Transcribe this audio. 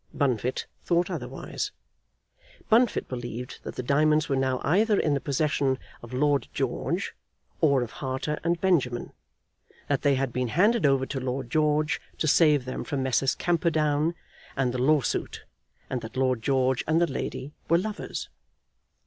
Bunfit thought otherwise. Bunfit believed that the diamonds were now either in the possession of Lord George or of Harter and Benjamin, that they had been handed over to Lord George to save them from Messrs. Camperdown and the lawsuit, and that Lord George and the lady were lovers.